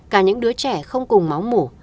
cả những đứa trẻ không cùng máu mổ